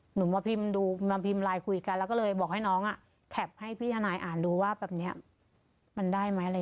หนูมาพิมพ์ดูมาพิมพ์ไลน์คุยกันแล้วก็เลยบอกให้น้องแคปให้พี่ทนายอ่านดูว่าแบบนี้มันได้ไหมอะไรอย่างนี้